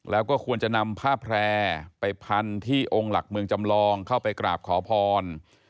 แล้วก็ควรจะนำผ้าแพร่ไปพันที่องค์หลักเมืองจำลองเข้าไปกราบขอพร